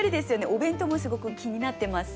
お弁当もすごく気になってます。